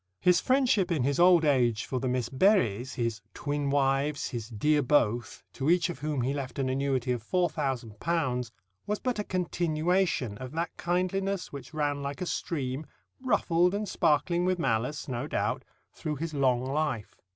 His friendship in his old age for the Miss Berrys his "twin wifes," his "dear Both" to each of whom he left an annuity of £4,000, was but a continuation of that kindliness which ran like a stream (ruffled and sparkling with malice, no doubt) through his long life.